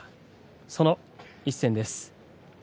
その一戦です。